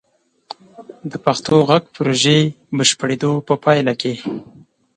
د پښتو غږ پروژې بشپړیدو په پایله کې: